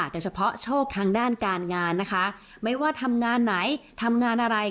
โดยเฉพาะโชคทางด้านการงานนะคะไม่ว่าทำงานไหนทำงานอะไร